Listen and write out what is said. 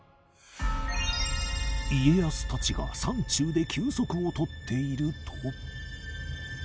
家康たちが山中で休息を取っていると